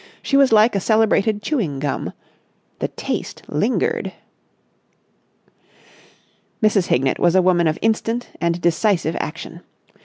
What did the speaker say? She was like a celebrated chewing gum. The taste lingered. Mrs. Hignett was a woman of instant and decisive action.